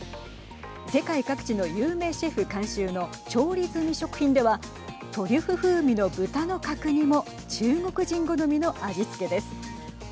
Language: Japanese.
世界各地の有名シェフ監修の調理済み食品ではトリュフ風味の豚の角煮も中国人好みの味付けです。